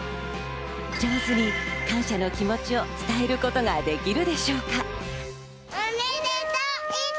上手に感謝の気持ちを伝えることができるでしょうか？